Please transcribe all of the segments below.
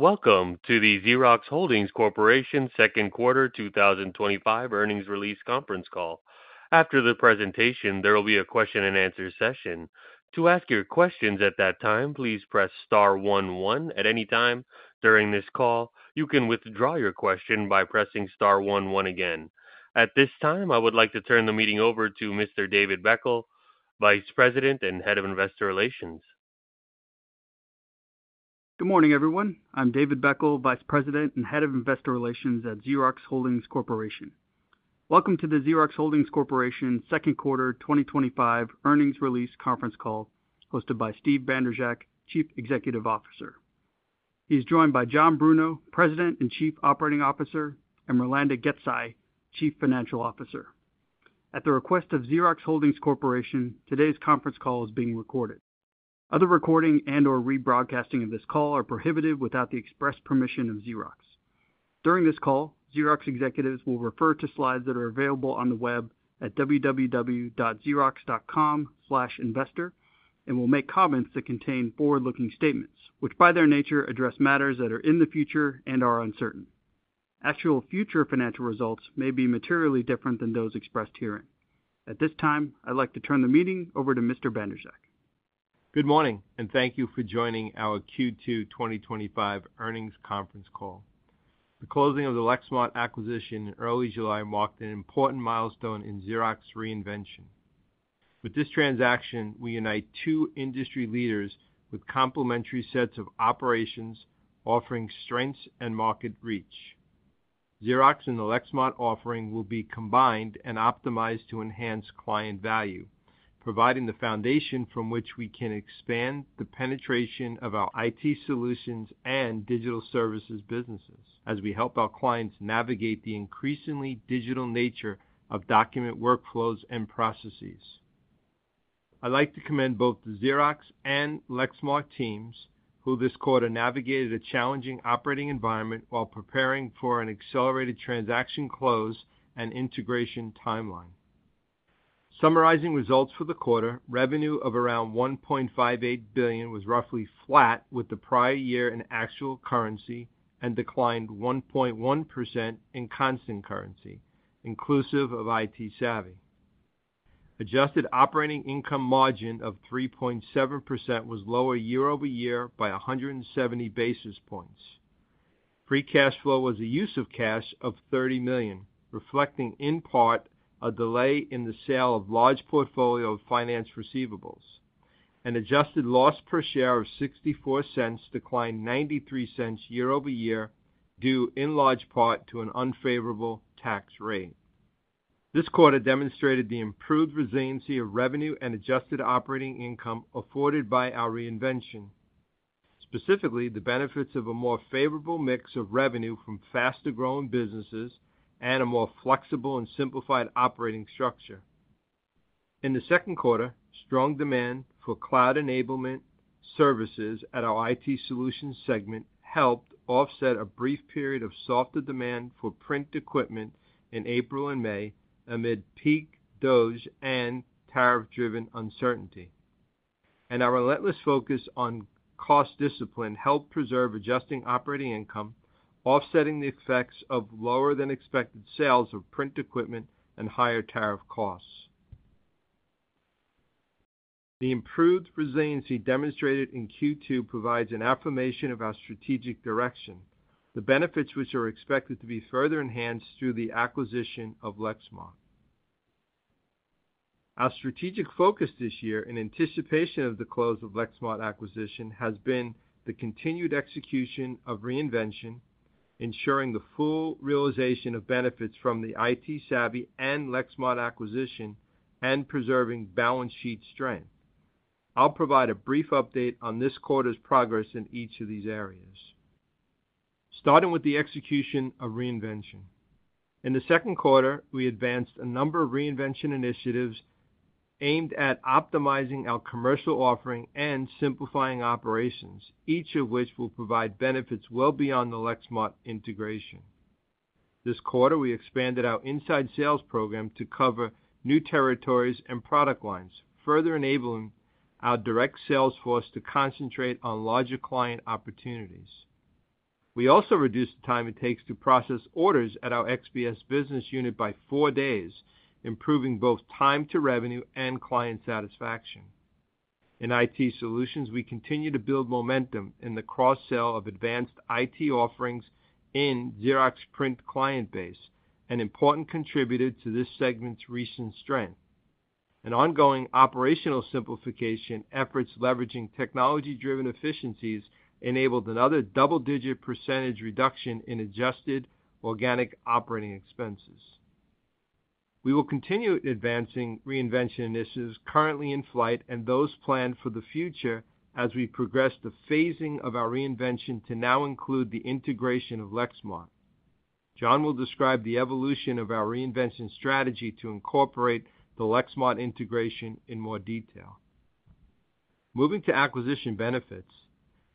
Welcome to the Xerox Holdings Corporation second quarter 2025 earnings release conference call. After the presentation, there will be a question-and-answer session. To ask your questions at that time, please press star 11 at any time during this call. You can withdraw your question by pressing star 11 again. At this time, I would like to turn the meeting over to Mr. David Beckel, Vice President and Head of Investor Relations. Good morning, everyone. I'm David Beckel, Vice President and Head of Investor Relations at Xerox Holdings Corporation. Welcome to the Xerox Holdings Corporation second quarter 2025 earnings release conference call hosted by Steve Bandrowczak, Chief Executive Officer. He is joined by John Bruno, President and Chief Operating Officer, and Mirlanda Gecaj, Chief Financial Officer. At the request of Xerox Holdings Corporation, today's conference call is being recorded. Other recording and/or rebroadcasting of this call are prohibited without the express permission of Xerox. During this call, Xerox executives will refer to slides that are available on the web at www.xerox.com/investor and will make comments that contain forward-looking statements, which by their nature address matters that are in the future and are uncertain. Actual future financial results may be materially different than those expressed herein. At this time, I'd like to turn the meeting over to Mr. Bandrowczak. Good morning and thank you for joining our Q2 2025 earnings conference call. The closing of the Lexmark acquisition in early July marked an important milestone in Xerox reinvention. With this transaction, we unite two industry leaders with complementary sets of operations, offering strengths and market reach. Xerox and the Lexmark offering will be combined and optimized to enhance client value, providing the foundation from which we can expand the penetration of our IT solutions and digital services businesses as we help our clients navigate the increasingly digital nature of document workflows and processes. I'd like to commend both the Xerox and Lexmark teams who this quarter navigated a challenging operating environment while preparing for an accelerated transaction close and integration timeline. Summarizing results for the quarter, revenue of around $1.58 billion was roughly flat with the prior year in actual currency and declined 1.1% in constant currency, inclusive of ITsavvy. Adjusted operating income margin of 3.7% was lower year-over-year by 170 basis points. Free cash flow was a use of cash of $30 million, reflecting in part a delay in the sale of a large portfolio of finance receivables. An adjusted loss per share of $0.64 declined $0.93 year-over-year due in large part to an unfavorable tax rate. This quarter demonstrated the improved resiliency of revenue and adjusted operating income afforded by our reinvention, specifically the benefits of a more favorable mix of revenue from faster-growing businesses and a more flexible and simplified operating structure. In the second quarter, strong demand for cloud-enablement services at our IT solutions segment helped offset a brief period of softer demand for print equipment in April and May amid peak DOGE and tariff-driven uncertainty. Our relentless focus on cost discipline helped preserve adjusted operating income, offsetting the effects of lower-than-expected sales of print equipment and higher tariff costs. The improved resiliency demonstrated in Q2 provides an affirmation of our strategic direction, the benefits of which are expected to be further enhanced through the acquisition of Lexmark. Our strategic focus this year in anticipation of the close of the Lexmark acquisition has been the continued execution of reinvention, ensuring the full realization of benefits from the ITsavvy and Lexmark acquisition and preserving balance sheet strength. I'll provide a brief update on this quarter's progress in each of these areas. Starting with the execution of reinvention. In the second quarter, we advanced a number of reinvention initiatives aimed at optimizing our commercial offering and simplifying operations, each of which will provide benefits well beyond the Lexmark integration. This quarter, we expanded our inside sales program to cover new territories and product lines, further enabling our direct sales force to concentrate on larger client opportunities. We also reduced the time it takes to process orders at our XPS business unit by four days, improving both time to revenue and client satisfaction. In IT solutions, we continue to build momentum in the cross-sell of advanced IT offerings in Xerox print client base, an important contributor to this segment's recent strength. An ongoing operational simplification effort leveraging technology-driven efficiencies enabled another double-digit percentage reduction in adjusted organic operating expenses. We will continue advancing reinvention initiatives currently in flight and those planned for the future as we progress the phasing of our reinvention to now include the integration of Lexmark. John will describe the evolution of our reinvention strategy to incorporate the Lexmark integration in more detail. Moving to acquisition benefits,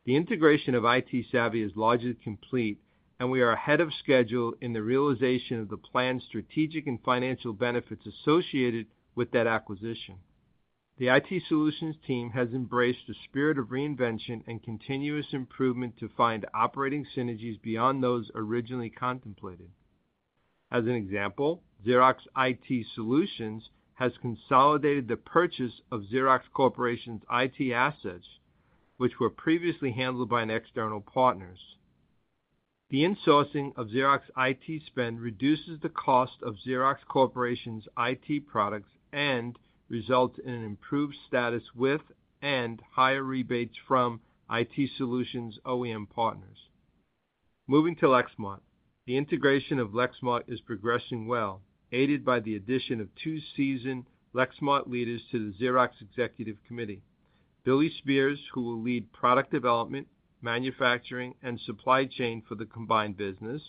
the integration of ITsavvy is largely complete, and we are ahead of schedule in the realization of the planned strategic and financial benefits associated with that acquisition. The IT solutions team has embraced the spirit of reinvention and continuous improvement to find operating synergies beyond those originally contemplated. As an example, Xerox IT solutions has consolidated the purchase of Xerox Corporation's IT assets, which were previously handled by external partners. The insourcing of Xerox IT spend reduces the cost of Xerox Corporation's IT products and results in an improved status with and higher rebates from IT solutions OEM partners. Moving to Lexmark, the integration of Lexmark is progressing well, aided by the addition of two seasoned Lexmark leaders to the Xerox Executive Committee: Billy Spears, who will lead product development, manufacturing, and supply chain for the combined business,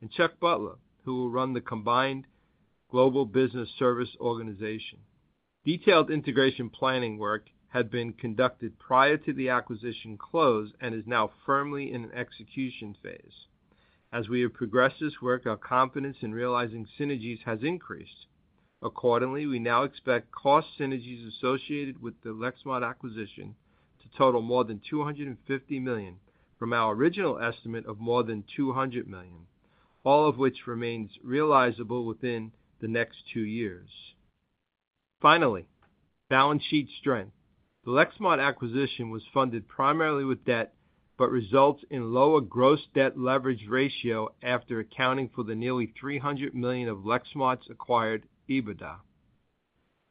and Chuck Butler, who will run the combined global business service organization. Detailed integration planning work had been conducted prior to the acquisition close and is now firmly in an execution phase. As we have progressed this work, our confidence in realizing synergies has increased. Accordingly, we now expect cost synergies associated with the Lexmark acquisition to total more than $250 million from our original estimate of more than $200 million, all of which remains realizable within the next two years. Finally, balance sheet strength. The Lexmark acquisition was funded primarily with debt, but results in a lower gross debt leverage ratio after accounting for the nearly $300 million of Lexmark's acquired EBITDA.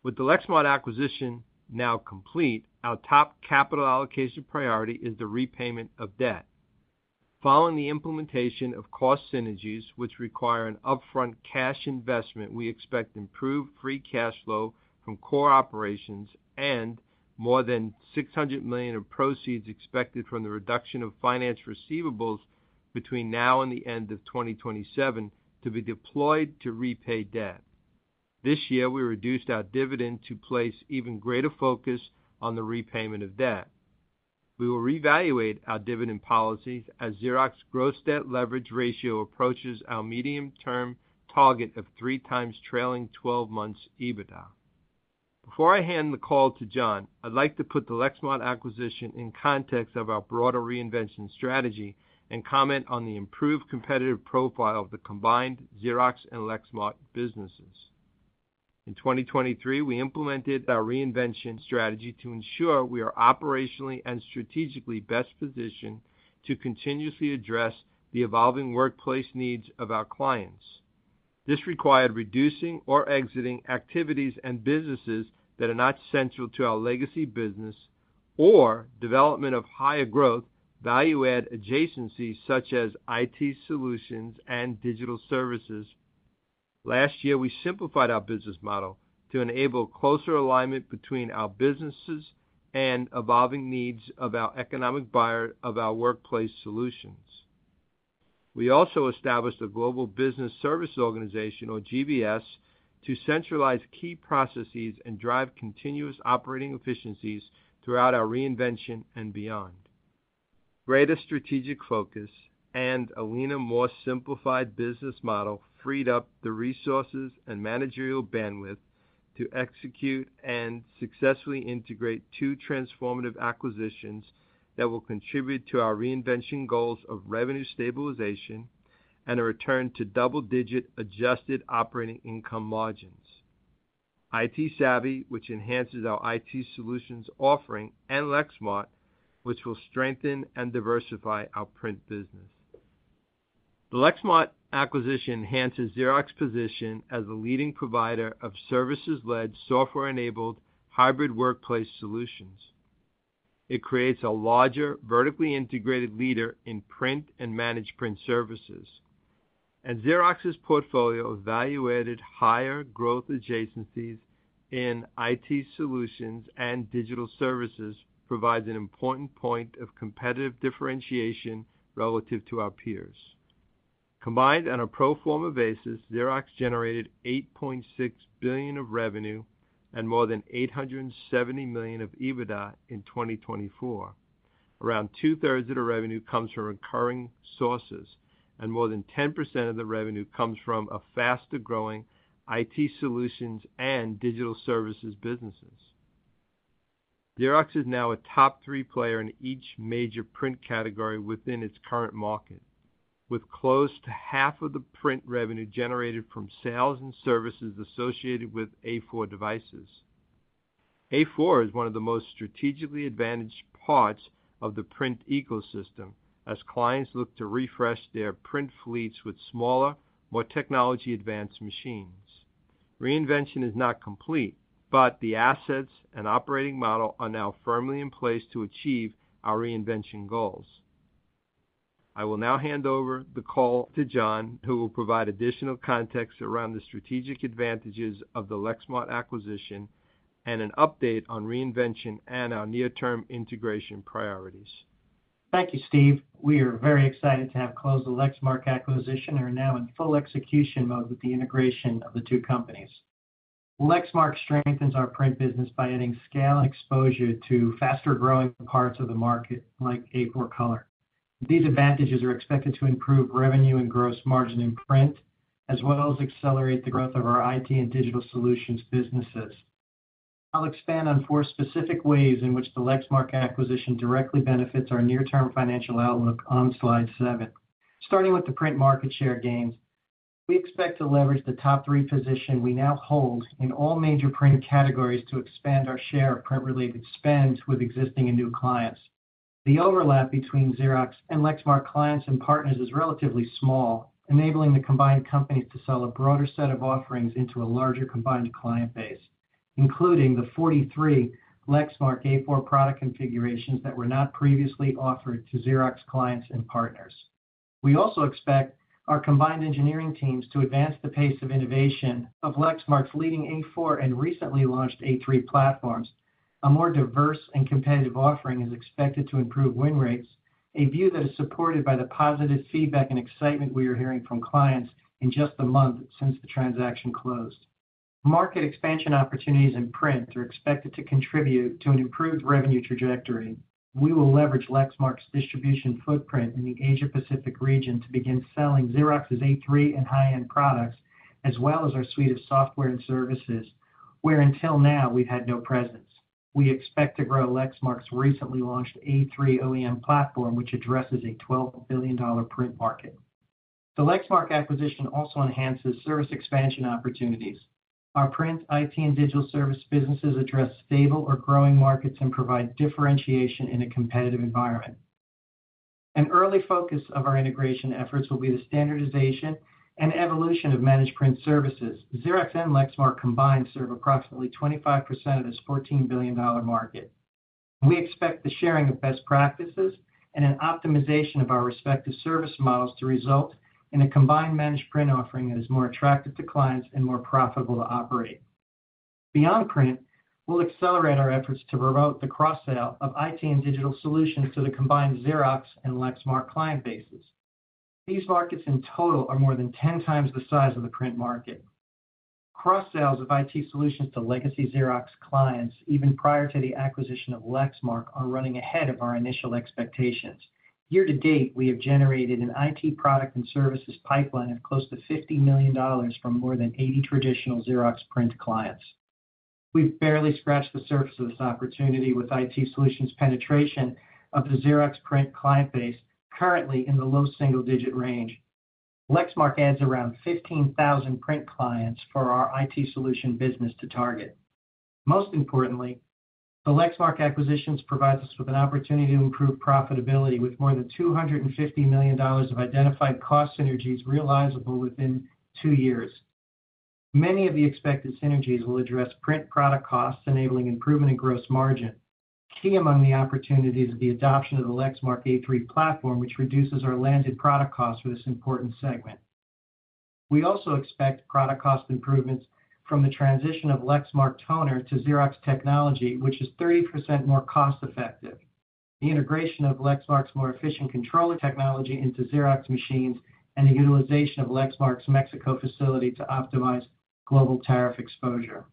With the Lexmark acquisition now complete, our top capital allocation priority is the repayment of debt. Following the implementation of cost synergies, which require an upfront cash investment, we expect improved free cash flow from core operations and more than $600 million of proceeds expected from the reduction of finance receivables between now and the end of 2027 to be deployed to repay debt. This year, we reduced our dividend to place even greater focus on the repayment of debt. We will reevaluate our dividend policies as Xerox's gross debt leverage ratio approaches our medium-term target of three times trailing 12 months EBITDA. Before I hand the call to John, I'd like to put the Lexmark acquisition in context of our broader reinvention strategy and comment on the improved competitive profile of the combined Xerox and Lexmark businesses. In 2023, we implemented our reinvention strategy to ensure we are operationally and strategically best positioned to continuously address the evolving workplace needs of our clients. This required reducing or exiting activities and businesses that are not central to our legacy business or development of higher growth value-add adjacencies such as IT solutions and digital services. Last year, we simplified our business model to enable closer alignment between our businesses and evolving needs of our economic buyer of our workplace solutions. We also established a Global Business Service organization, or GBS, to centralize key processes and drive continuous operating efficiencies throughout our reinvention and beyond. Greater strategic focus and a more simplified business model freed up the resources and managerial bandwidth to execute and successfully integrate two transformative acquisitions that will contribute to our reinvention goals of revenue stabilization and a return to double-digit adjusted operating income margins. ITsavvy, which enhances our IT solutions offering, and Lexmark, which will strengthen and diversify our print business. The Lexmark acquisition enhances Xerox's position as the leading provider of services-led software-enabled hybrid workplace solutions. It creates a larger vertically integrated leader in print and managed print services. Xerox's portfolio of value-added higher growth adjacencies in IT solutions and digital services provides an important point of competitive differentiation relative to our peers. Combined on a pro forma basis, Xerox generated $8.6 billion of revenue and more than $870 million of EBITDA in 2024. Around two-thirds of the revenue comes from recurring sources, and more than 10% of the revenue comes from a faster-growing IT solutions and digital services businesses. Xerox is now a top three player in each major print category within its current market, with close to half of the print revenue generated from sales and services associated with A4 devices. A4 is one of the most strategically advantaged parts of the print ecosystem as clients look to refresh their print fleets with smaller, more technology-advanced machines. Reinvention is not complete, but the assets and operating model are now firmly in place to achieve our reinvention goals. I will now hand over the call to John, who will provide additional context around the strategic advantages of the Lexmark acquisition and an update on reinvention and our near-term integration priorities. Thank you, Steve. We are very excited to have closed the Lexmark acquisition and are now in full execution mode with the integration of the two companies. Lexmark strengthens our print business by adding scale exposure to faster-growing parts of the market, like A4 color. These advantages are expected to improve revenue and gross margin in print, as well as accelerate the growth of our IT and digital solutions businesses. I'll expand on four specific ways in which the Lexmark acquisition directly benefits our near-term financial outlook on slide seven. Starting with the print market share gains, we expect to leverage the top three position we now hold in all major print categories to expand our share of print-related spend with existing and new clients. The overlap between Xerox and Lexmark clients and partners is relatively small, enabling the combined companies to sell a broader set of offerings into a larger combined client base, including the 43 Lexmark A4 product configurations that were not previously offered to Xerox clients and partners. We also expect our combined engineering teams to advance the pace of innovation of Lexmark's leading A4 and recently launched A3 platforms. A more diverse and competitive offering is expected to improve win rates, a view that is supported by the positive feedback and excitement we are hearing from clients in just a month since the transaction closed. Market expansion opportunities in print are expected to contribute to an improved revenue trajectory. We will leverage Lexmark's distribution footprint in the Asia-Pacific region to begin selling Xerox's A3 and high-end products, as well as our suite of software and services where, until now, we've had no presence. We expect to grow Lexmark's recently launched A3 OEM platform, which addresses a $12 billion print market. The Lexmark acquisition also enhances service expansion opportunities. Our print, IT, and digital service businesses address stable or growing markets and provide differentiation in a competitive environment. An early focus of our integration efforts will be the standardization and evolution of managed print services. Xerox and Lexmark combined serve approximately 25% of this $14 billion market. We expect the sharing of best practices and an optimization of our respective service models to result in a combined managed print offering that is more attractive to clients and more profitable to operate. Beyond print, we'll accelerate our efforts to promote the cross-sale of IT and digital solutions to the combined Xerox and Lexmark client bases. These markets in total are more than 10 times the size of the print market. Cross-sales of IT solutions to legacy Xerox clients, even prior to the acquisition of Lexmark, are running ahead of our initial expectations. Year to date, we have generated an IT product and services pipeline of close to $50 million from more than 80 traditional Xerox print clients. We've barely scratched the surface of this opportunity with IT solutions penetration of the Xerox print client base, currently in the low single-digit range. Lexmark adds around 15,000 print clients for our IT solution business to target. Most importantly, the Lexmark acquisitions provide us with an opportunity to improve profitability with more than $250 million of identified cost synergies realizable within two years. Many of the expected synergies will address print product costs, enabling improvement in gross margin. Key among the opportunities is the adoption of the Lexmark A3 platform, which reduces our landed product costs for this important segment. We also expect product cost improvements from the transition of Lexmark toner to Xerox technology, which is 30% more cost-effective. The integration of Lexmark's more efficient controller technology into Xerox machines and the utilization of Lexmark's Mexico facility to optimize global tariff exposure.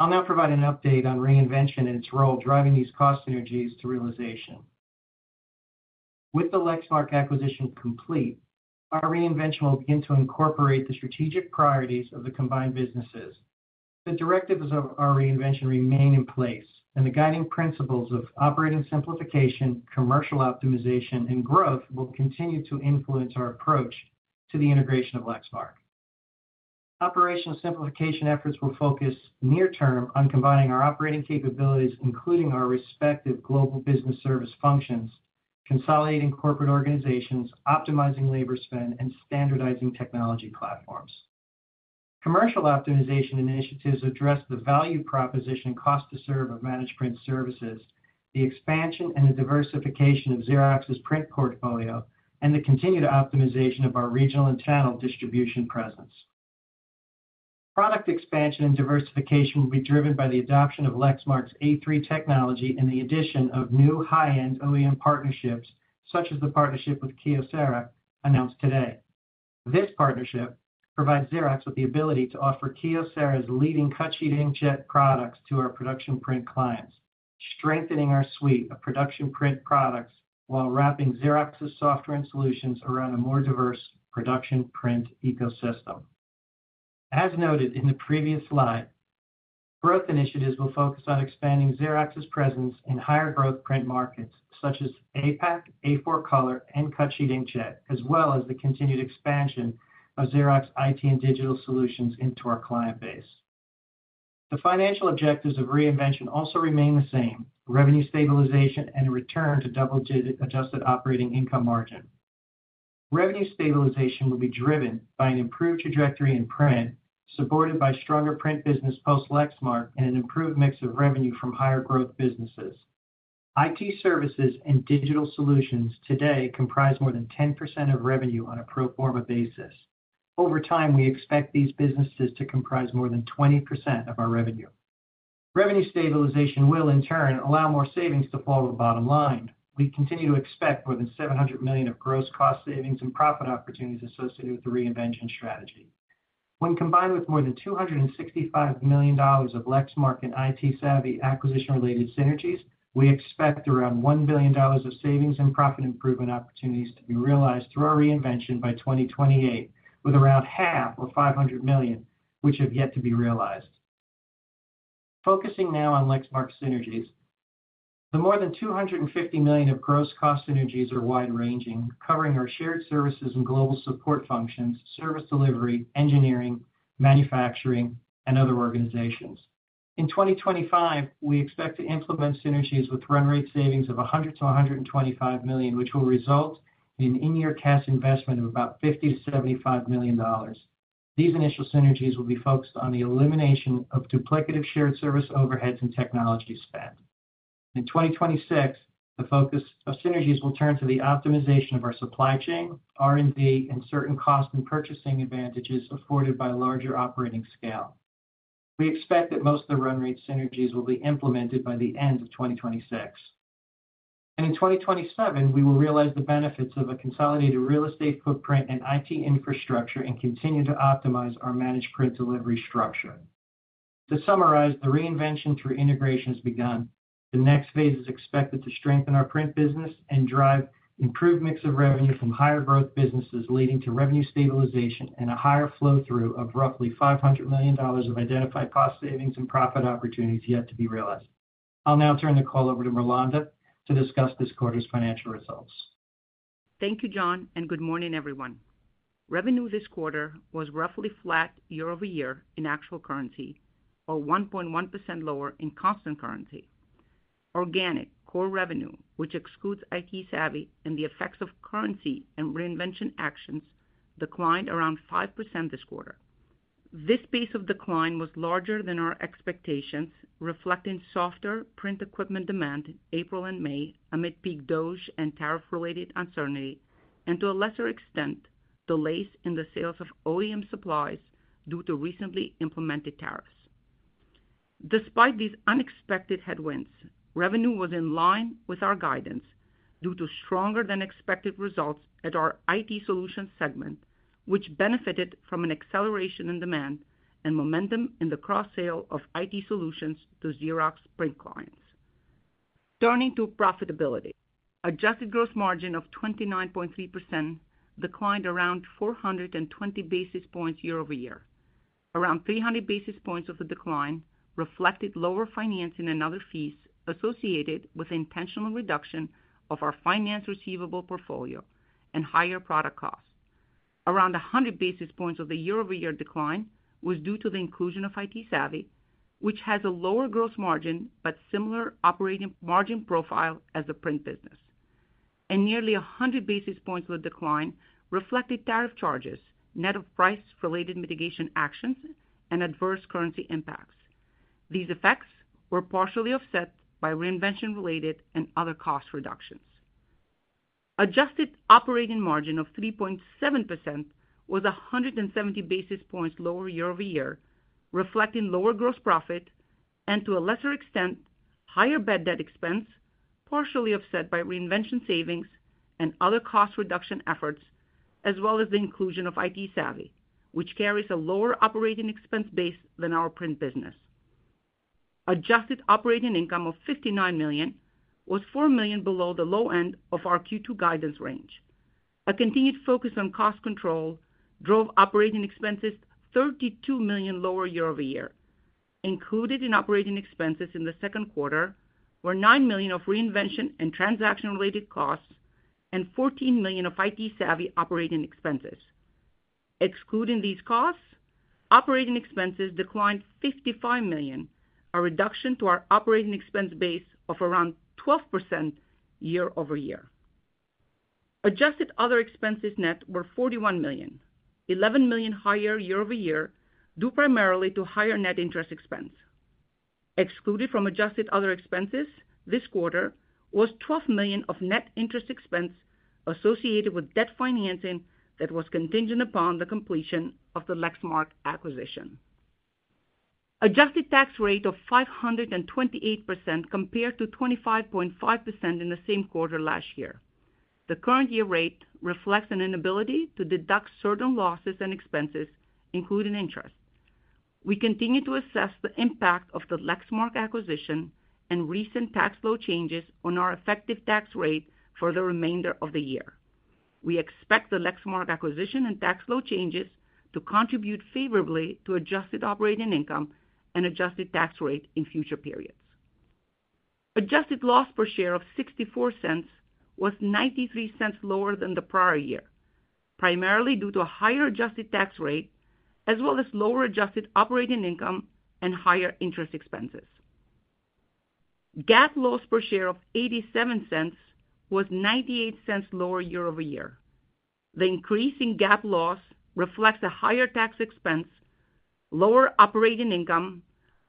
I'll now provide an update on reinvention and its role driving these cost synergies to realization. With the Lexmark acquisition complete, our reinvention will begin to incorporate the strategic priorities of the combined businesses. The directives of our reinvention remain in place, and the guiding principles of operating simplification, commercial optimization, and growth will continue to influence our approach to the integration of Lexmark. Operational simplification efforts will focus near-term on combining our operating capabilities, including our respective global business service functions, consolidating corporate organizations, optimizing labor spend, and standardizing technology platforms. Commercial optimization initiatives address the value proposition and cost to serve of managed print services, the expansion and the diversification of Xerox's print portfolio, and the continued optimization of our regional and town distribution presence. Product expansion and diversification will be driven by the adoption of Lexmark's A3 technology and the addition of new high-end OEM partnerships, such as the partnership with Kyocera announced today. This partnership provides Xerox with the ability to offer Kyocera's leading cut sheet inkjet products to our production print clients, strengthening our suite of production print products while wrapping Xerox's software and solutions around a more diverse production print ecosystem. As noted in the previous slide, growth initiatives will focus on expanding Xerox's presence in higher growth print markets such as APAC, A4 color, and cut sheet inkjet, as well as the continued expansion of Xerox IT and digital solutions into our client base. The financial objectives of reinvention also remain the same: revenue stabilization and a return to double-digit adjusted operating income margin. Revenue stabilization will be driven by an improved trajectory in print, supported by stronger print business post-Lexmark, and an improved mix of revenue from higher growth businesses. IT services and digital solutions today comprise more than 10% of revenue on a pro forma basis. Over time, we expect these businesses to comprise more than 20% of our revenue. Revenue stabilization will, in turn, allow more savings to follow the bottom line. We continue to expect more than $700 million of gross cost savings and profit opportunities associated with the reinvention strategy. When combined with more than $265 million of Lexmark and ITsavvy acquisition-related synergies, we expect around $1 billion of savings and profit improvement opportunities to be realized through our reinvention by 2028, with around half or $500 million which have yet to be realized. Focusing now on Lexmark synergies, the more than $250 million of gross cost synergies are wide-ranging, covering our shared services and global support functions, service delivery, engineering, manufacturing, and other organizations. In 2025, we expect to implement synergies with run rate savings of $100 million-$125 million, which will result in an in-year cash investment of about $50 million-$75 million. These initial synergies will be focused on the elimination of duplicative shared service overheads and technology spend. In 2026, the focus of synergies will turn to the optimization of our supply chain, R&D, and certain costs and purchasing advantages afforded by larger operating scale. We expect that most of the run rate synergies will be implemented by the end of 2026. In 2027, we will realize the benefits of a consolidated real estate footprint and IT infrastructure and continue to optimize our managed print delivery structure. To summarize, a reinvention through integration has begun. The next phase is expected to strengthen our print business and drive improved mix of revenue from higher growth businesses, leading to revenue stabilization and a higher flow-through of roughly $500 million of identified cost savings and profit opportunities yet to be realized. I'll now turn the call over to Mirlanda to discuss this quarter's financial results. Thank you, John, and good morning, everyone. Revenue this quarter was roughly flat year-over-year in actual currency, or 1.1% lower in constant currency. Organic core revenue, which excludes ITsavvy and the effects of currency and reinvention actions, declined around 5% this quarter. This pace of decline was larger than our expectations, reflecting softer print equipment demand in April and May amid peak DOGE and tariff-related uncertainty, and to a lesser extent, delays in the sales of OEM supplies due to recently implemented tariffs. Despite these unexpected headwinds, revenue was in line with our guidance due to stronger than expected results at our IT solutions segment, which benefited from an acceleration in demand and momentum in the cross-sale of IT solutions to Xerox print clients. Turning to profitability, adjusted gross margin of 29.3% declined around 420 basis points year-over-year. Around 300 basis points of the decline reflected lower financing and other fees associated with intentional reduction of our finance receivable portfolio and higher product costs. Around 100 basis points of the year-over-year decline was due to the inclusion of ITsavvy, which has a lower gross margin but similar operating margin profile as the print business. Nearly 100 basis points of the decline reflected tariff charges, net of price-related mitigation actions, and adverse currency impacts. These effects were partially offset by reinvention-related and other cost reductions. Adjusted operating margin of 3.7% was 170 basis points lower year-over-year, reflecting lower gross profit and, to a lesser extent, higher bad debt expense, partially offset by reinvention savings and other cost reduction efforts, as well as the inclusion of ITsavvy, which carries a lower operating expense base than our print business. Adjusted operating income of $59 million was $4 million below the low end of our Q2 guidance range. A continued focus on cost control drove operating expenses $32 million lower year-over-year. Included in operating expenses in the second quarter were $9 million of reinvention and transaction-related costs and $14 million of ITsavvy operating expenses. Excluding these costs, operating expenses declined $55 million, a reduction to our operating expense base of around 12% year-over-year. Adjusted other expenses net were $41 million, $11 million higher year-over-year, due primarily to higher net interest expense. Excluded from adjusted other expenses this quarter was $12 million of net interest expense associated with debt financing that was contingent upon the completion of the Lexmark acquisition. Adjusted tax rate of 528% compared to 25.5% in the same quarter last year. The current year rate reflects an inability to deduct certain losses and expenses, including interest. We continue to assess the impact of the Lexmark acquisition and recent tax flow changes on our effective tax rate for the remainder of the year. We expect the Lexmark acquisition and tax flow changes to contribute favorably to adjusted operating income and adjusted tax rate in future periods. Adjusted loss per share of $0.64 was $0.93 lower than the prior year, primarily due to a higher adjusted tax rate, as well as lower adjusted operating income and higher interest expenses. GAAP loss per share of $0.87 was $0.98 lower year-over-year. The increase in GAAP loss reflects a higher tax expense, lower operating income,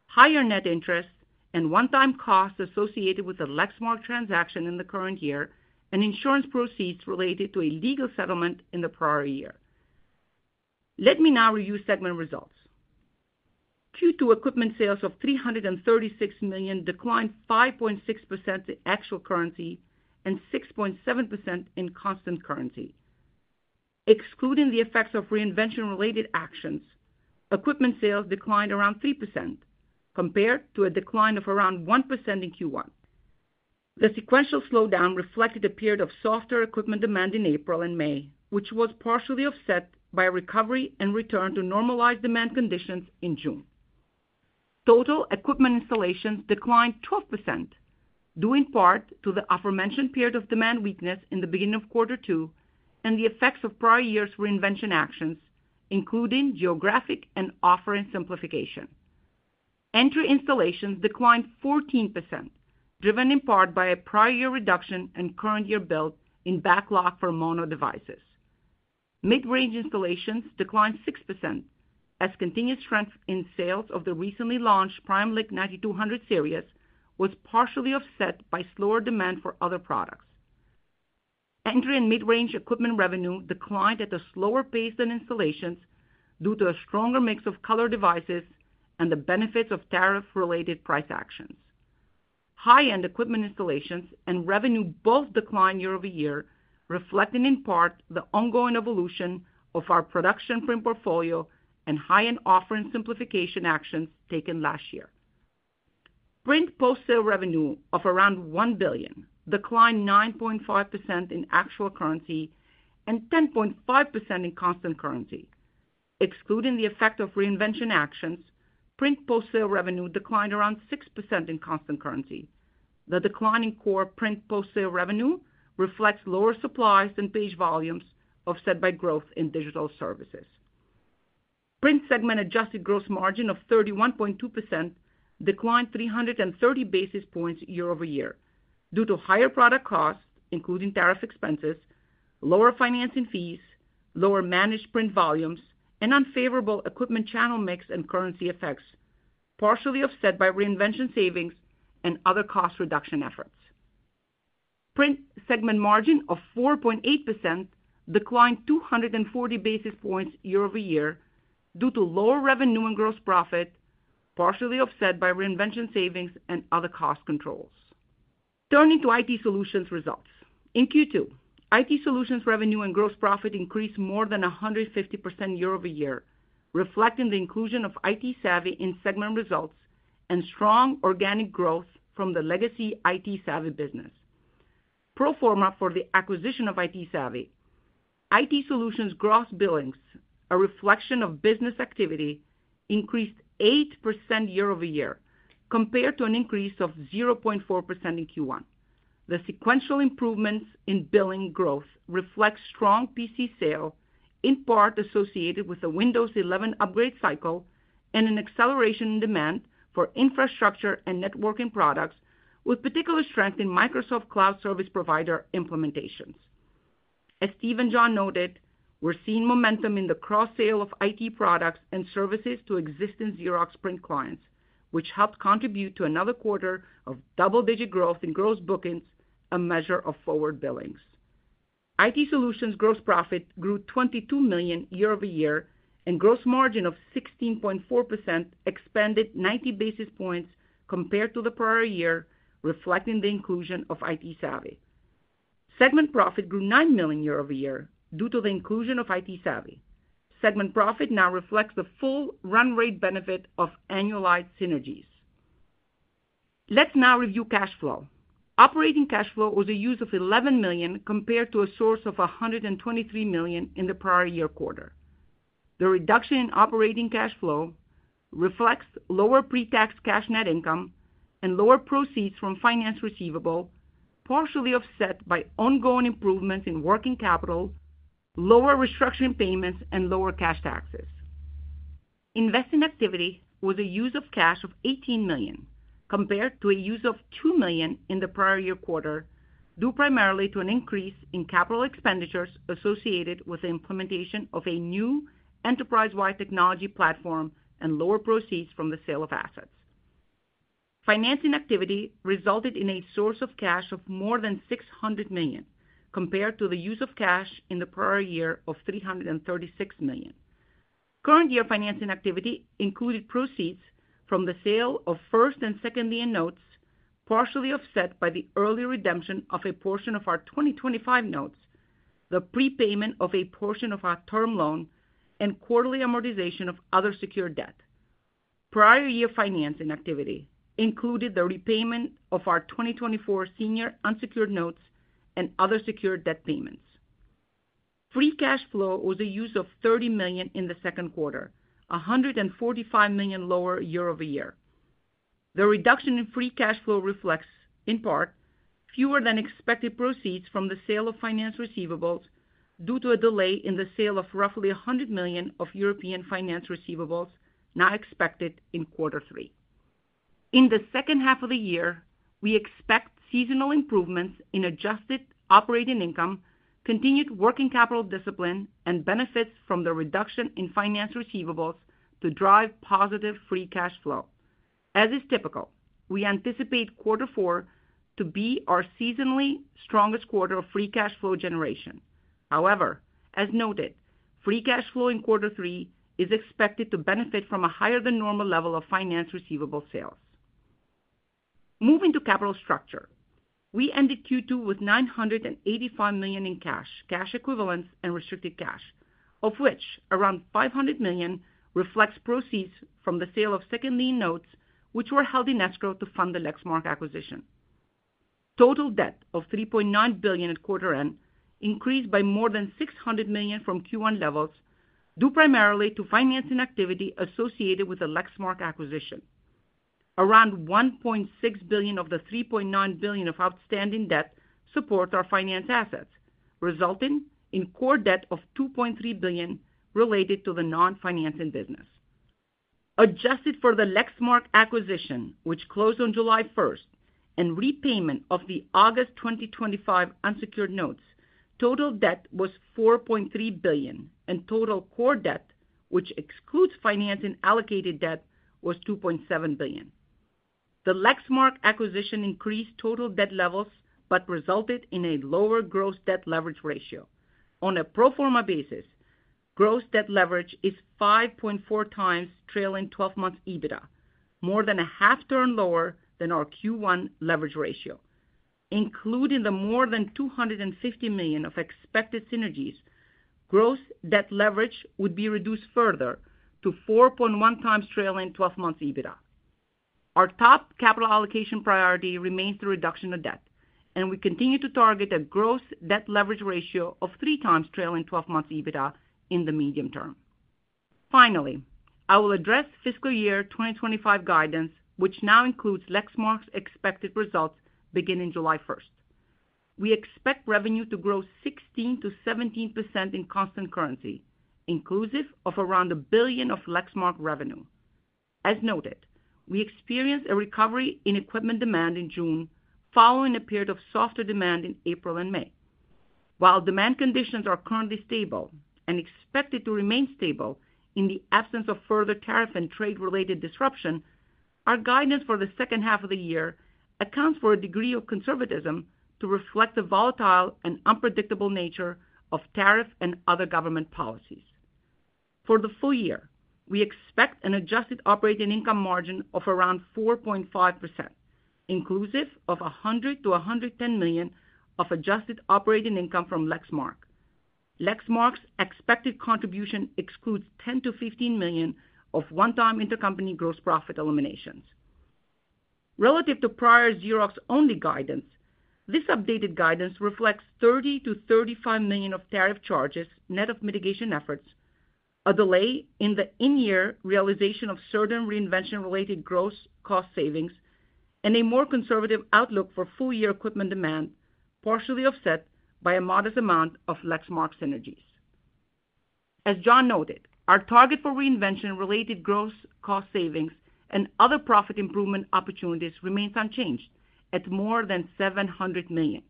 higher net interest, and one-time costs associated with the Lexmark transaction in the current year and insurance proceeds related to a legal settlement in the prior year. Let me now review segment results. Q2 equipment sales of $336 million declined 5.6% to actual currency and 6.7% in constant currency. Excluding the effects of reinvention-related actions, equipment sales declined around 3%, compared to a decline of around 1% in Q1. The sequential slowdown reflected a period of softer equipment demand in April and May, which was partially offset by a recovery and return to normalized demand conditions in June. Total equipment installations declined 12%, due in part to the aforementioned period of demand weakness in the beginning of quarter two and the effects of prior year's reinvention actions, including geographic and offering simplification. Entry installations declined 14%, driven in part by a prior year reduction and current year build in backlog for mono devices. Mid-range installations declined 6%, as continued strength in sales of the recently launched Primelink 9200 series was partially offset by slower demand for other products. Entry and mid-range equipment revenue declined at a slower pace than installations due to a stronger mix of color devices and the benefits of tariff-related price actions. High-end equipment installations and revenue both declined year-over-year, reflecting in part the ongoing evolution of our production print portfolio and high-end offering simplification actions taken last year. Print post-sale revenue of around $1 billion declined 9.5% in actual currency and 10.5% in constant currency. Excluding the effect of reinvention actions, print post-sale revenue declined around 6% in constant currency. The declining core print post-sale revenue reflects lower supplies and page volumes offset by growth in digital services. Print segment adjusted gross margin of 31.2% declined 330 basis points year-over-year due to higher product costs, including tariff expenses, lower financing fees, lower managed print volumes, and unfavorable equipment channel mix and currency effects, partially offset by reinvention savings and other cost reduction efforts. Print segment margin of 4.8% declined 240 basis points year-over-year due to lower revenue and gross profit, partially offset by reinvention savings and other cost controls. Turning to IT solutions results. In Q2, IT solutions revenue and gross profit increased more than 150% year-over-year, reflecting the inclusion of ITsavvy in segment results and strong organic growth from the legacy ITsavvy business. Pro forma for the acquisition of ITsavvy, IT solutions gross billings, a reflection of business activity, increased 8% year-over-year compared to an increase of 0.4% in Q1. The sequential improvements in billing growth reflect strong PC sales, in part associated with the Windows 11 upgrade cycle and an acceleration in demand for infrastructure and networking products, with particular strength in Microsoft Cloud Service Provider implementations. As Steve and John noted, we're seeing momentum in the cross-sale of IT products and services to existing Xerox print clients, which helped contribute to another quarter of double-digit growth in gross bookings, a measure of forward billings. IT solutions gross profit grew $22 million year-over-year, and gross margin of 16.4% expanded 90 basis points compared to the prior year, reflecting the inclusion of ITsavvy. Segment profit grew $9 million year-over-year due to the inclusion of ITsavvy. Segment profit now reflects the full run rate benefit of annualized synergies. Let's now review cash flow. Operating cash flow was a use of $11 million compared to a source of $123 million in the prior year quarter. The reduction in operating cash flow reflects lower pre-tax cash net income and lower proceeds from finance receivable, partially offset by ongoing improvements in working capital, lower restructuring payments, and lower cash taxes. Investment activity was a use of cash of $18 million compared to a use of $2 million in the prior year quarter, due primarily to an increase in capital expenditures associated with the implementation of a new enterprise-wide technology platform and lower proceeds from the sale of assets. Financing activity resulted in a source of cash of more than $600 million compared to the use of cash in the prior year of $336 million. Current year financing activity included proceeds from the sale of first and second year notes, partially offset by the early redemption of a portion of our 2025 notes, the prepayment of a portion of our term loan, and quarterly amortization of other secured debt. Prior year financing activity included the repayment of our 2024 senior unsecured notes and other secured debt payments. Free cash flow was a use of $30 million in the second quarter, $145 million lower year-over-year. The reduction in free cash flow reflects, in part, fewer than expected proceeds from the sale of finance receivables due to a delay in the sale of roughly $100 million of European finance receivables not expected in quarter three. In the second half of the year, we expect seasonal improvements in adjusted operating income, continued working capital discipline, and benefits from the reduction in finance receivables to drive positive free cash flow. As is typical, we anticipate quarter four to be our seasonally strongest quarter of free cash flow generation. However, as noted, free cash flow in quarter three is expected to benefit from a higher than normal level of finance receivable sales. Moving to capital structure, we ended Q2 with $985 million in cash, cash equivalents, and restricted cash, of which around $500 million reflects proceeds from the sale of second year notes, which were held in escrow to fund the Lexmark acquisition. Total debt of $3.9 billion at quarter end increased by more than $600 million from Q1 levels, due primarily to financing activity associated with the Lexmark acquisition. Around $1.6 billion of the $3.9 billion of outstanding debt support our finance assets, resulting in core debt of $2.3 billion related to the non-financing business. Adjusted for the Lexmark acquisition, which closed on July 1, and repayment of the August 2025 unsecured notes, total debt was $4.3 billion, and total core debt, which excludes financing allocated debt, was $2.7 billion. The Lexmark acquisition increased total debt levels but resulted in a lower gross debt leverage ratio. On a pro forma basis, gross debt leverage is 5.4 times trailing 12 months EBITDA, more than a half turn lower than our Q1 leverage ratio. Including the more than $250 million of expected synergies, gross debt leverage would be reduced further to 4.1 times trailing 12 months EBITDA. Our top capital allocation priority remains the reduction of debt, and we continue to target a gross debt leverage ratio of 3 times trailing 12 months EBITDA in the medium term. Finally, I will address fiscal year 2025 guidance, which now includes Lexmark's expected results beginning July 1. We expect revenue to grow 16%-17% in constant currency, inclusive of around $1 billion of Lexmark revenue. As noted, we experienced a recovery in equipment demand in June following a period of softer demand in April and May. While demand conditions are currently stable and expected to remain stable in the absence of further tariff and trade-related disruption, our guidance for the second half of the year accounts for a degree of conservatism to reflect the volatile and unpredictable nature of tariff and other government policies. For the full year, we expect an adjusted operating income margin of around 4.5%, inclusive of $100 million-$110 million of adjusted operating income from Lexmark. Lexmark's expected contribution excludes $10 million-$15 million of one-time intercompany gross profit eliminations. Relative to prior Xerox-only guidance, this updated guidance reflects $30 million-$35 million of tariff charges net of mitigation efforts, a delay in the in-year realization of certain reinvention-related gross cost savings, and a more conservative outlook for full-year equipment demand, partially offset by a modest amount of Lexmark synergies. As John noted, our target for reinvention-related gross cost savings and other profit improvement opportunities remains unchanged at more than $700 million.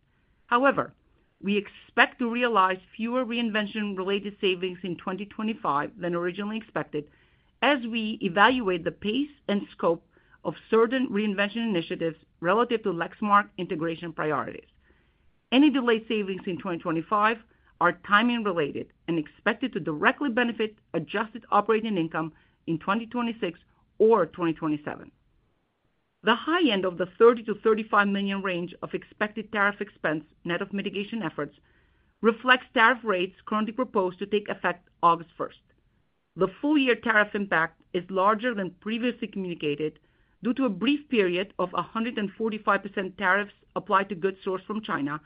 However, we expect to realize fewer reinvention-related savings in 2025 than originally expected as we evaluate the pace and scope of certain reinvention initiatives relative to Lexmark integration priorities. Any delayed savings in 2025 are timing-related and expected to directly benefit adjusted operating income in 2026 or 2027. The high end of the $30 million-$35 million range of expected tariff expense net of mitigation efforts reflects tariff rates currently proposed to take effect August 1st. The full-year tariff impact is larger than previously communicated due to a brief period of 145% tariffs applied to goods sourced from China,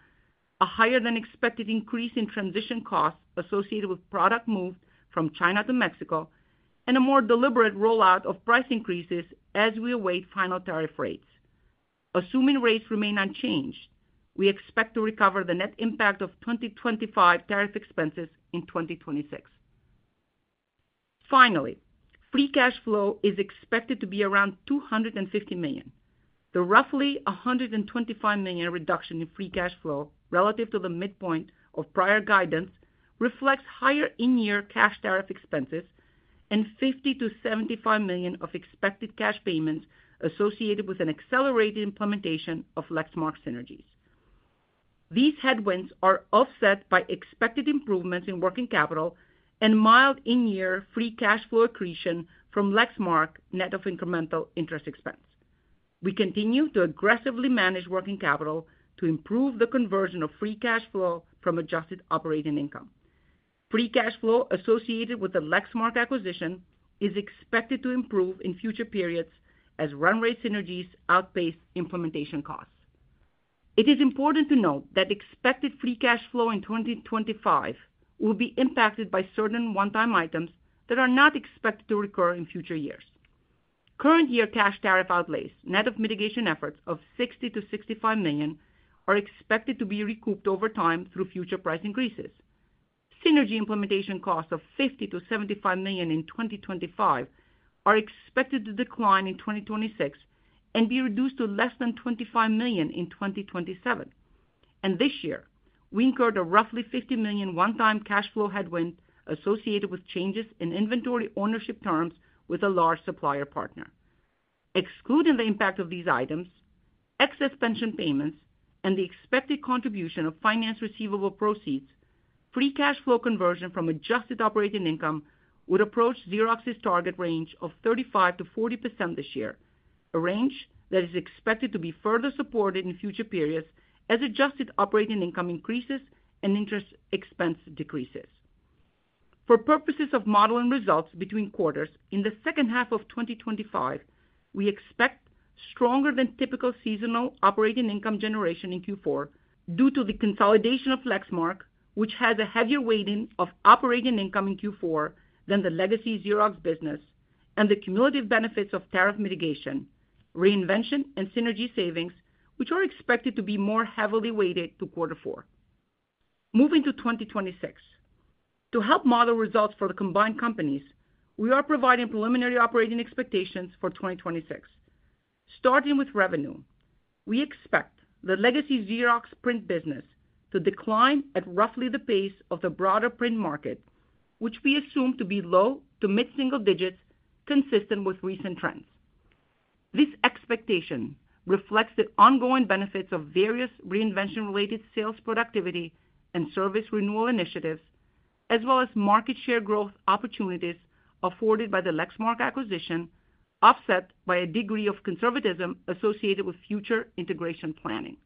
a higher than expected increase in transition costs associated with product moved from China to Mexico, and a more deliberate rollout of price increases as we await final tariff rates. Assuming rates remain unchanged, we expect to recover the net impact of 2025 tariff expenses in 2026. Finally, free cash flow is expected to be around $250 million. The roughly $125 million reduction in free cash flow relative to the midpoint of prior guidance reflects higher in-year cash tariff expenses and $50 million-$75 million of expected cash payments associated with an accelerated implementation of Lexmark synergies. These headwinds are offset by expected improvements in working capital and mild in-year free cash flow accretion from Lexmark net of incremental interest expense. We continue to aggressively manage working capital to improve the conversion of free cash flow from adjusted operating income. Free cash flow associated with the Lexmark acquisition is expected to improve in future periods as run rate synergies outpace implementation costs. It is important to note that expected free cash flow in 2025 will be impacted by certain one-time items that are not expected to recur in future years. Current year cash tariff outlays net of mitigation efforts of $60 million-$65 million are expected to be recouped over time through future price increases. Synergy implementation costs of $50 million-$75 million in 2025 are expected to decline in 2026 and be reduced to less than $25 million in 2027. This year, we incurred a roughly $50 million one-time cash flow headwind associated with changes in inventory ownership terms with a large supplier partner. Excluding the impact of these items, excess pension payments, and the expected contribution of finance receivable proceeds, free cash flow conversion from adjusted operating income would approach Xerox's target range of 35% to 40% this year, a range that is expected to be further supported in future periods as adjusted operating income increases and interest expense decreases. For purposes of modeling results between quarters, in the second half of 2025, we expect stronger than typical seasonal operating income generation in Q4 due to the consolidation of Lexmark, which has a heavier weighting of operating income in Q4 than the legacy Xerox business, and the cumulative benefits of tariff mitigation, reinvention, and synergy savings, which are expected to be more heavily weighted to quarter four. Moving to 2026, to help model results for the combined companies, we are providing preliminary operating expectations for 2026. Starting with revenue, we expect the legacy Xerox print business to decline at roughly the pace of the broader print market, which we assume to be low to mid-single digits, consistent with recent trends. This expectation reflects the ongoing benefits of various reinvention-related sales productivity and service renewal initiatives, as well as market share growth opportunities afforded by the Lexmark acquisition, offset by a degree of conservatism associated with future integration planning.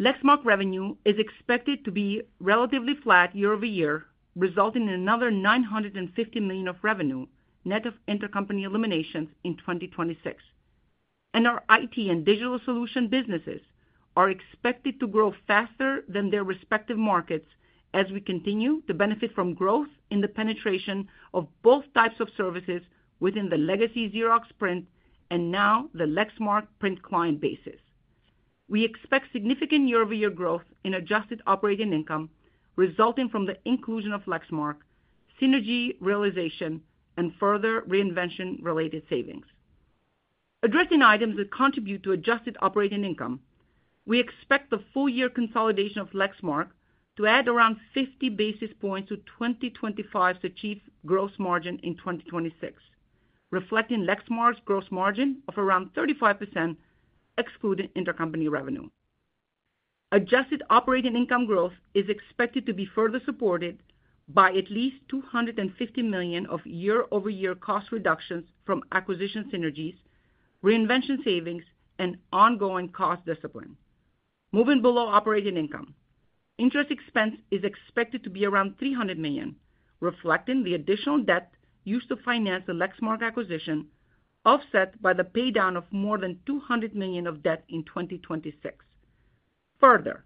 Lexmark revenue is expected to be relatively flat year-over-year, resulting in another $950 million of revenue net of intercompany eliminations in 2026. Our IT and digital solution businesses are expected to grow faster than their respective markets as we continue to benefit from growth in the penetration of both types of services within the legacy Xerox print and now the Lexmark print client bases. We expect significant year-over-year growth in adjusted operating income, resulting from the inclusion of Lexmark, synergy realization, and further reinvention-related savings. Addressing items that contribute to adjusted operating income, we expect the full-year consolidation of Lexmark to add around 50 basis points to 2025 to achieve gross margin in 2026, reflecting Lexmark's gross margin of around 35%, excluding intercompany revenue. Adjusted operating income growth is expected to be further supported by at least $250 million of year-over-year cost reductions from acquisition synergies, reinvention savings, and ongoing cost discipline. Moving below operating income, interest expense is expected to be around $300 million, reflecting the additional debt used to finance the Lexmark acquisition, offset by the paydown of more than $200 million of debt in 2026. Further,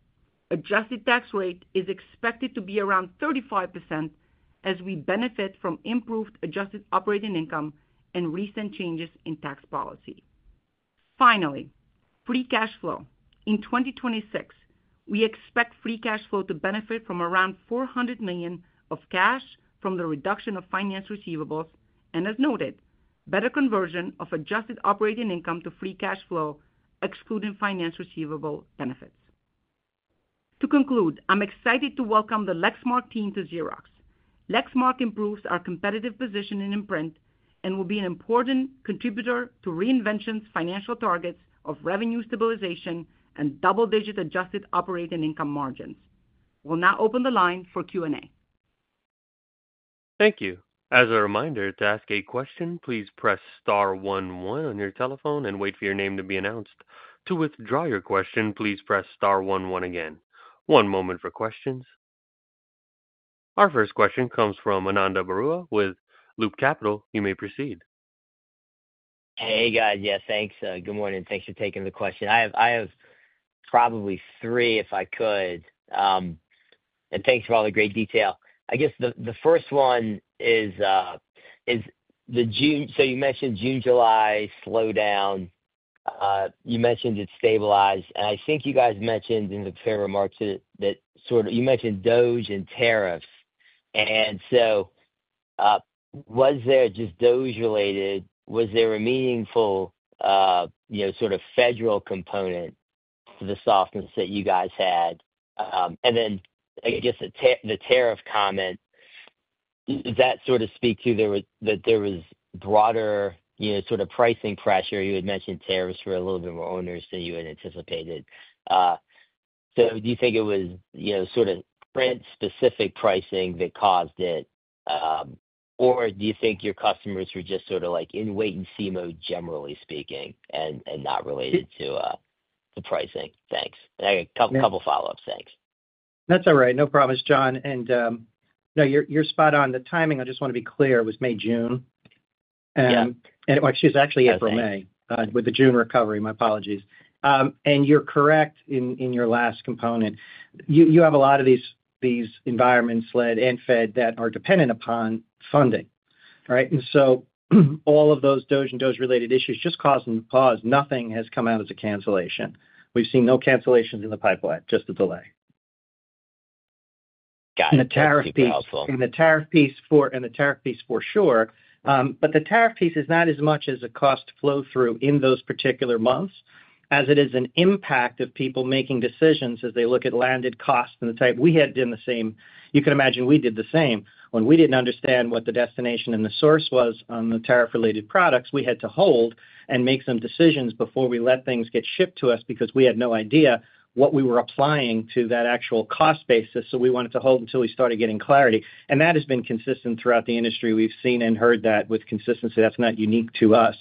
the adjusted tax rate is expected to be around 35% as we benefit from improved adjusted operating income and recent changes in tax policy. Finally, free cash flow. In 2026, we expect free cash flow to benefit from around $400 million of cash from the reduction of finance receivables and, as noted, better conversion of adjusted operating income to free cash flow, excluding finance receivable benefits. To conclude, I'm excited to welcome the Lexmark team to Xerox. Lexmark improves our competitive position in print and will be an important contributor to reinvention's financial targets of revenue stabilization and double-digit adjusted operating income margins. We'll now open the line for Q&A. Thank you. As a reminder, to ask a question, please press star one one on your telephone and wait for your name to be announced. To withdraw your question, please press star one one again. One moment for questions. Our first question comes from Ananda Baruah with Loop Capital. You may proceed. Hey, guys. Yeah, thanks. Good morning. Thanks for taking the question. I have probably three if I could. Thanks for all the great detail. I guess the first one is the June. You mentioned June, July slowdown. You mentioned it stabilized. I think you guys mentioned in the print remarks that you mentioned DOGE and tariffs. Was there just DOGE related? Was there a meaningful, you know, sort of federal component for the softness that you guys had? I guess the tariff comment, does that speak to there was broader, you know, sort of pricing pressure? You had mentioned tariffs were a little bit more onerous than you had anticipated. Do you think it was, you know, sort of print-specific pricing that caused it? Or do you think your customers were just sort of like in wait and see mode, generally speaking, and not related to the pricing? Thanks. I got a couple of follow-ups. Thanks. That's all right. No promise, John. You're spot on. The timing, I just want to be clear, was May, June. Yeah. It's actually April, May with the June recovery. My apologies. You're correct in your last component. You have a lot of these environments led and fed that are dependent upon funding, right? All of those DOGE and DOGE related issues just cause and pause. Nothing has come out as a cancellation. We've seen no cancellations in the pipeline, just a delay. Got it. The tariff piece for sure. The tariff piece is not as much as a cost flow-through in those particular months as it is an impact of people making decisions as they look at landed costs and the type. We had done the same. You can imagine we did the same. When we didn't understand what the destination and the source was on the tariff-related products, we had to hold and make some decisions before we let things get shipped to us because we had no idea what we were applying to that actual cost basis. We wanted to hold until we started getting clarity. That has been consistent throughout the industry. We've seen and heard that with consistency. That's not unique to us.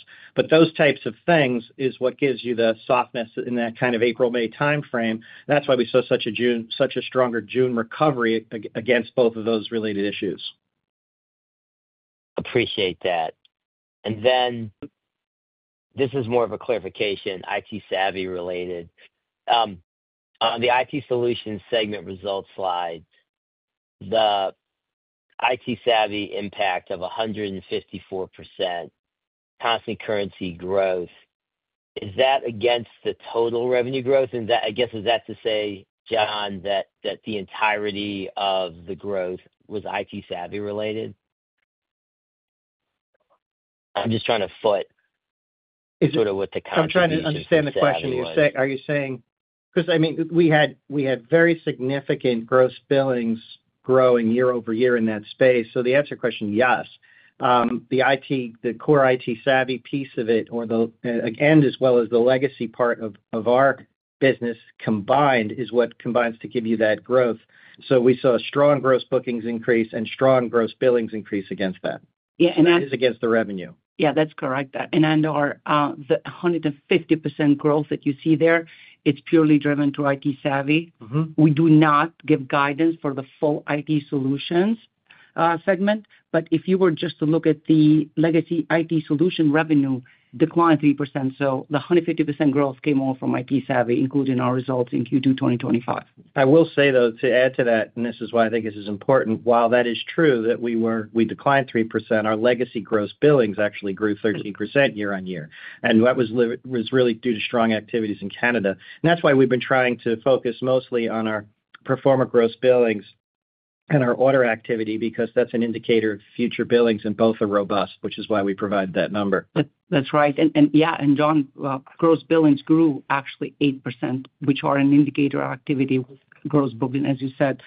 Those types of things are what give you the softness in that kind of April, May timeframe. That's why we saw such a stronger June recovery against both of those related issues. Appreciate that. This is more of a clarification, ITsavvy related. On the IT solutions segment results slide, the ITsavvy impact of 154% constant currency growth, is that against the total revenue growth? Is that to say, John, that the entirety of the growth was ITsavvy related? I'm just trying to foot sort of what the conversation is. I'm trying to understand the question. Are you saying because we had very significant gross billings growing year-over-year in that space? The answer to the question is yes. The IT, the core ITsavvy piece of it, as well as the legacy part of our business combined, is what combines to give you that growth. We saw a strong gross bookings increase and strong gross billings increase against that. Yeah, that's. Which is against the revenue. Yeah, that's correct. Our 150% growth that you see there is purely driven through ITsavvy. We do not give guidance for the full IT solutions segment. If you were just to look at the legacy IT solutions revenue, it declined 3%. The 150% growth came all from ITsavvy, including our results in Q2 2025. I will say, to add to that, this is why I think this is important. While that is true that we declined 3%, our legacy gross billings actually grew 13% year on year. That was really due to strong activities in Canada. That is why we've been trying to focus mostly on our performer gross billings and our order activity because that's an indicator of future billings, and both are robust, which is why we provide that number. That's right. John, gross billings grew actually 8%, which are an indicator of activity. Gross booking, as you said,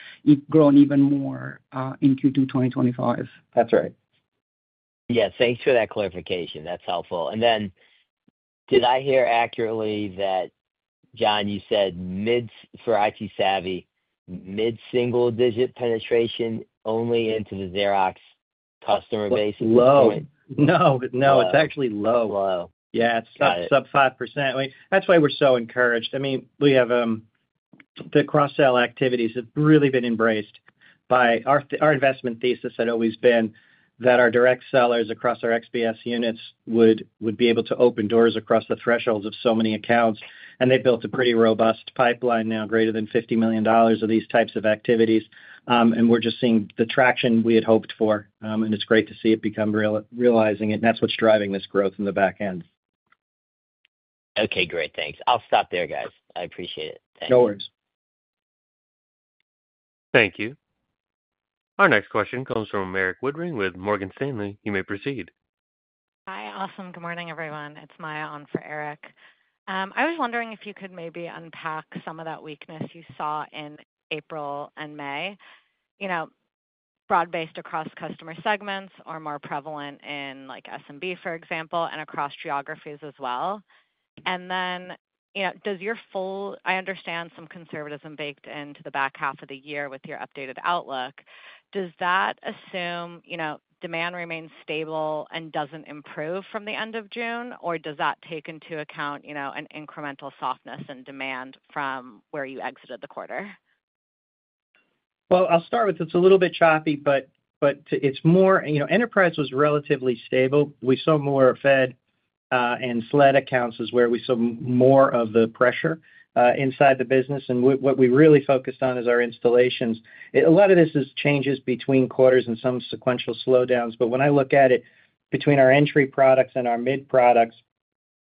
grown even more in Q2 2025. That's right. Thank you for that clarification. That's helpful. Did I hear accurately that, John, you said for ITsavvy, mid-single digit penetration only into the Xerox customer base? No, it's actually low. Low. Yeah, it's sub 5%. That's why we're so encouraged. We have the cross-sell activities have really been embraced by our investment thesis had always been that our direct sellers across our XBS units would be able to open doors across the thresholds of so many accounts. They built a pretty robust pipeline now, greater than $50 million of these types of activities. We're just seeing the traction we had hoped for. It's great to see it become real, realizing it. That's what's driving this growth in the back end. OK, great. Thanks. I'll stop there, guys. I appreciate it. No worries. Thank you. Our next question comes from Erik Woodring with Morgan Stanley. You may proceed. Hi. Good morning, everyone. It's Maya on for Eric. I was wondering if you could maybe unpack some of that weakness you saw in April and May, you know, broad-based across customer segments or more prevalent in like SMB, for example, and across geographies as well. I understand some conservatism baked into the back half of the year with your updated outlook. Does that assume, you know, demand remains stable and doesn't improve from the end of June, or does that take into account, you know, an incremental softness in demand from where you exited the quarter? It is a little bit choppy, but it's more—you know, enterprise was relatively stable. We saw more fed and fled accounts is where we saw more of the pressure inside the business. What we really focused on is our installations. A lot of this is changes between quarters and some sequential slowdowns. When I look at it between our entry products and our mid products,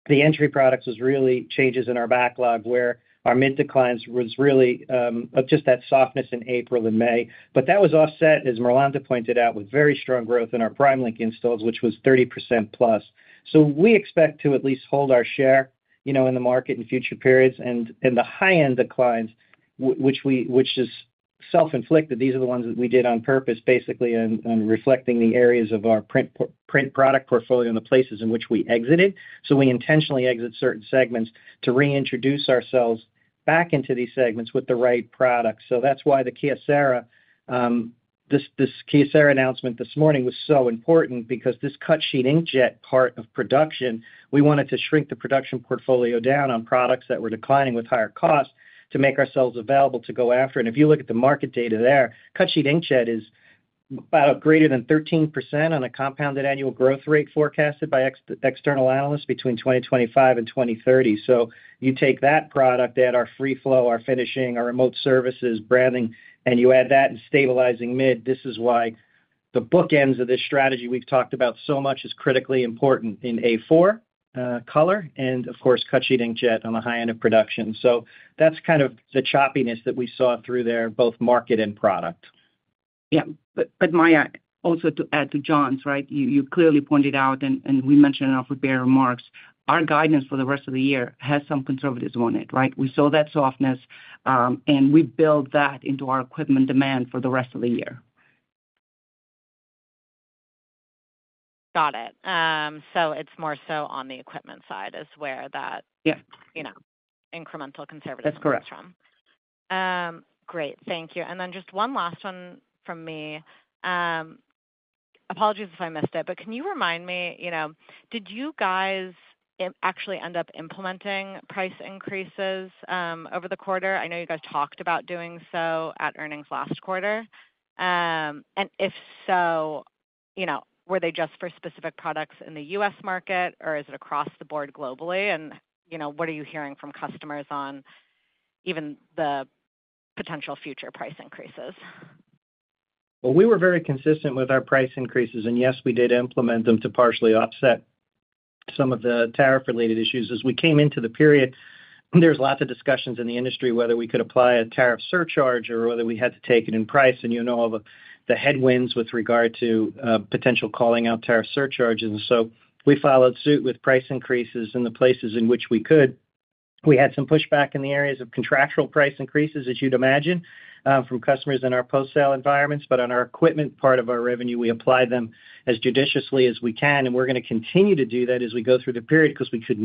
the entry products was really changes in our backlog where our mid declines was really just that softness in April and May. That was offset, as Mirlanda pointed out, with very strong growth in our Primelink installs, which was 30%+. We expect to at least hold our share, you know, in the market in future periods. The high-end declines, which is self-inflicted, these are the ones that we did on purpose, basically, and reflecting the areas of our print product portfolio and the places in which we exited. We intentionally exit certain segments to reintroduce ourselves back into these segments with the right products. That is why the Kyocera announcement this morning was so important because this cut sheet inkjet part of production, we wanted to shrink the production portfolio down on products that were declining with higher costs to make ourselves available to go after. If you look at the market data there, cut sheet inkjet is about greater than 13% on a compounded annual growth rate forecasted by external analysts between 2025 and 2030. You take that product, add our free flow, our finishing, our remote services, branding, and you add that and stabilizing mid, this is why the bookends of this strategy we've talked about so much is critically important in A4 color and, of course, cut sheet inkjet on the high end of production. That is kind of the choppiness that we saw through there, both market and product. Maya, also to add to John's, you clearly pointed out, and we mentioned in our prepared remarks, our guidance for the rest of the year has some conservatism on it, right? We saw that softness, and we build that into our equipment demand for the rest of the year. Got it. It's more so on the equipment side where that incremental conservatism comes from. That's correct. Great, thank you. Just one last one from me. Apologies if I missed it, but can you remind me, did you guys actually end up implementing price increases over the quarter? I know you guys talked about doing so at earnings last quarter. If so, were they just for specific products in the U.S. market, or is it across the board globally? What are you hearing from customers on even the potential future price increases? We were very consistent with our price increases, and yes, we did implement them to partially offset some of the tariff-related issues. As we came into the period, there were lots of discussions in the industry whether we could apply a tariff surcharge or whether we had to take it in price. You know all the headwinds with regard to potential calling out tariff surcharges. We followed suit with price increases in the places in which we could. We had some pushback in the areas of contractual price increases, as you'd imagine, from customers in our post-sale environments. On our equipment part of our revenue, we apply them as judiciously as we can. We are going to continue to do that as we go through the period because we could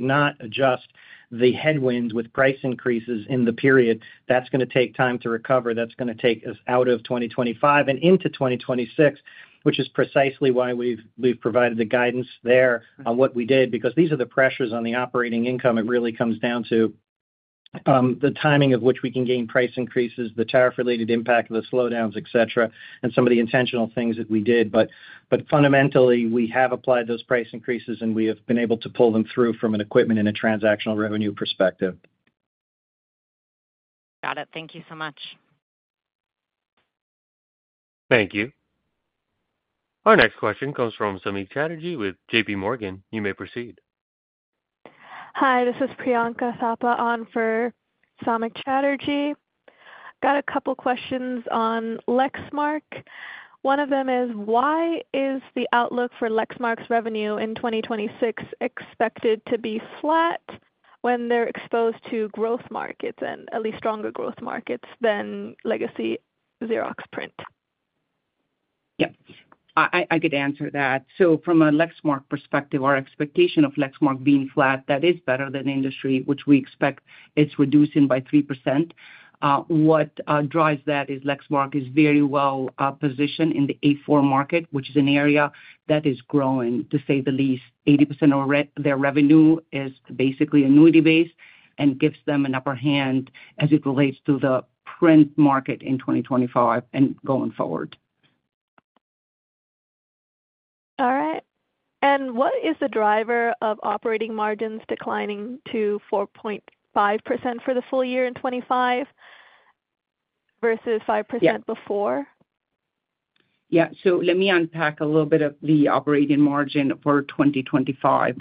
not adjust the headwinds with price increases in the period. That is going to take time to recover. That is going to take us out of 2025 and into 2026, which is precisely why we've provided the guidance there on what we did because these are the pressures on the operating income. It really comes down to the timing of which we can gain price increases, the tariff-related impact of the slowdowns, et cetera, and some of the intentional things that we did. Fundamentally, we have applied those price increases, and we have been able to pull them through from an equipment and a transactional revenue perspective. Got it. Thank you so much. Thank you. Our next question comes from Samik Chatterjee with JPMorgan. You may proceed. Hi. This is Priyanka Thapa on for Samik Chatterjee. I've got a couple of questions on Lexmark. One of them is, why is the outlook for Lexmark's revenue in 2026 expected to be flat when they're exposed to growth markets and at least stronger growth markets than legacy Xerox print? I could answer that. From a Lexmark perspective, our expectation of Lexmark being flat is better than industry, which we expect is reducing by 3%. What drives that is Lexmark is very well positioned in the A4 market, which is an area that is growing, to say the least. 80% of their revenue is basically annuity-based and gives them an upper hand as it relates to the print market in 2025 and going forward. All right. What is the driver of operating margins declining to 4.5% for the full year in 2025 versus 5% before? Yeah. Let me unpack a little bit of the operating margin for 2025.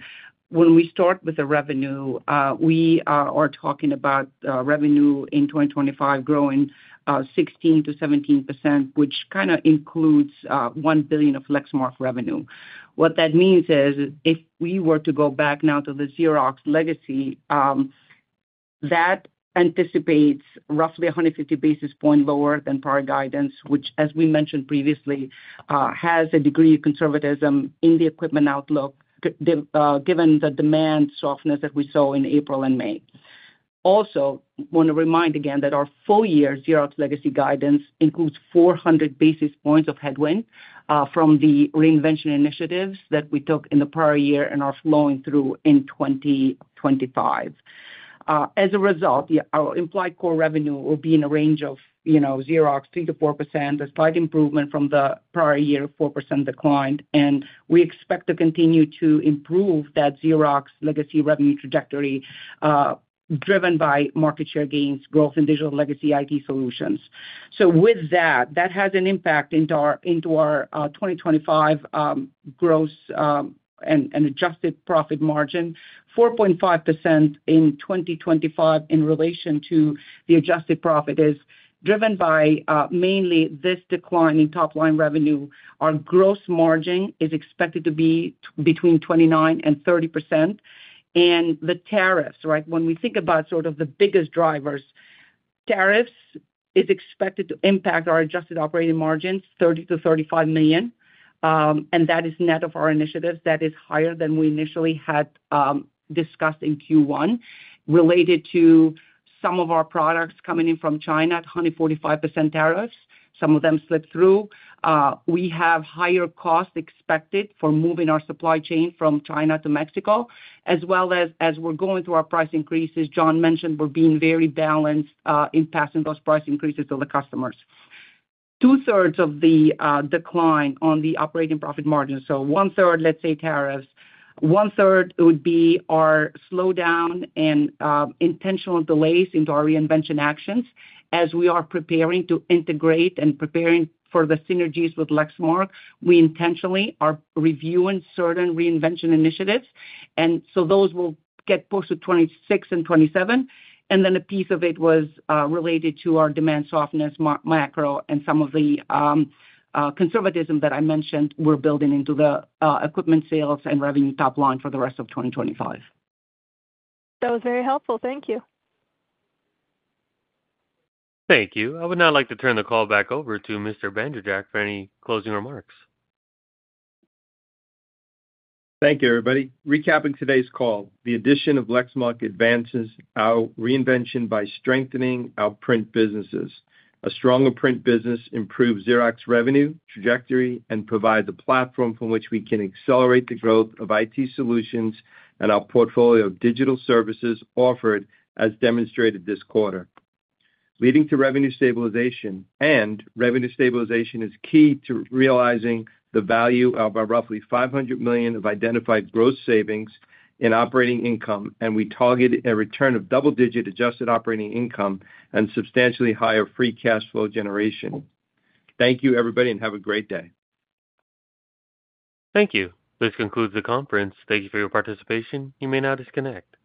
When we start with the revenue, we are talking about revenue in 2025 growing 16%-17%, which kind of includes $1 billion of Lexmark revenue. What that means is if we were to go back now to the Xerox legacy, that anticipates roughly 150 basis points lower than prior guidance, which, as we mentioned previously, has a degree of conservatism in the equipment outlook, given the demand softness that we saw in April and May. I want to remind again that our full year Xerox legacy guidance includes 400 basis points of headwind from the reinvention initiatives that we took in the prior year and are flowing through in 2025. As a result, our implied core revenue will be in a range of Xerox 3%-4%, a slight improvement from the prior year 4% decline. We expect to continue to improve that Xerox legacy revenue trajectory, driven by market share gains, growth in digital legacy IT solutions. With that, that has an impact into our 2025 gross and adjusted profit margin. 4.5% in 2025 in relation to the adjusted profit is driven by mainly this decline in top line revenue. Our gross margin is expected to be between 29% and 30%. The tariffs, right, when we think about sort of the biggest drivers, tariffs are expected to impact our adjusted operating margins $30 million-$35 million. That is net of our initiatives. That is higher than we initially had discussed in Q1 related to some of our products coming in from China at 145% tariffs. Some of them slipped through. We have higher costs expected for moving our supply chain from China to Mexico, as well as as we're going through our price increases. John mentioned we're being very balanced in passing those price increases to the customers. Two-thirds of the decline on the operating profit margin. One-third, let's say tariffs. One-third would be our slowdown and intentional delays into our reinvention actions. As we are preparing to integrate and preparing for the synergies with Lexmark, we intentionally are reviewing certain reinvention initiatives. Those will get pushed to 2026 and 2027. A piece of it was related to our demand softness macro and some of the conservatism that I mentioned we're building into the equipment sales and revenue top line for the rest of 2025. That was very helpful. Thank you. Thank you. I would now like to turn the call back over to Mr. Bandrowczak for any closing remarks. Thank you, everybody. Recapping today's call, the addition of Lexmark advances our reinvention by strengthening our print businesses. A stronger print business improves Xerox revenue trajectory and provides a platform from which we can accelerate the growth of IT solutions and our portfolio of digital services offered, as demonstrated this quarter, leading to revenue stabilization. Revenue stabilization is key to realizing the value of our roughly $500 million of identified gross savings in operating income. We targeted a return of double-digit adjusted operating income and substantially higher free cash flow generation. Thank you, everybody, and have a great day. Thank you. This concludes the conference. Thank you for your participation. You may now disconnect.